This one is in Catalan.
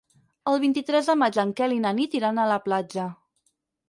El vint-i-tres de maig en Quel i na Nit iran a la platja.